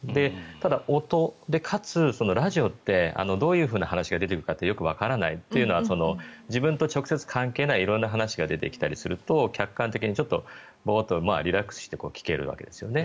ただ、音、かつラジオってどういう話が出てくるかよくわからない。というのは自分と直接関係ない色んな話が出てきたりすると客観的にボーッとリラックスして聞けるわけですね。